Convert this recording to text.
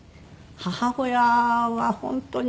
母親は本当に。